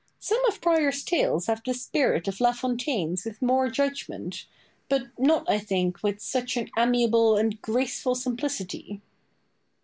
Some of Prior's tales have the spirit of La Fontaine's with more judgment, but not, I think, with such an amiable and graceful simplicity.